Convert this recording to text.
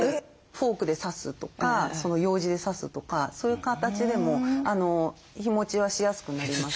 フォークで刺すとかようじで刺すとかそういう形でも日もちはしやすくなります。